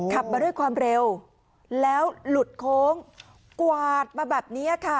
ขับมาด้วยความเร็วแล้วหลุดโค้งกวาดมาแบบนี้ค่ะ